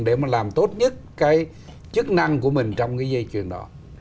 để mà làm tốt nhất cái chức năng của mình trong cái dây chuyền đó